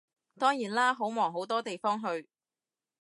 當然啦，好忙好多地方去